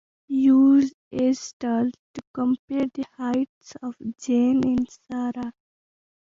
Use "as tall" to compare the heights of Jane and Sarah.